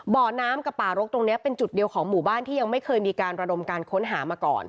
บ่อน้ำกับป่ารกตรงนี้เป็นจุดเดียวของหมู่บ้านที่ยังไม่เคยมีการระดมการค้นหามาก่อน